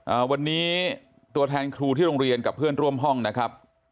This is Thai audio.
อ่าวันนี้ตัวแทนครูที่โรงเรียนกับเพื่อนร่วมห้องนะครับ